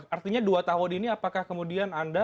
artinya dua tahun ini apakah kemudian anda